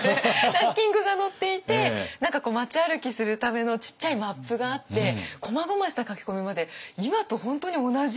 ランキングが載っていて何か街歩きするためのちっちゃいマップがあってこまごました書き込みまで今と本当に同じ。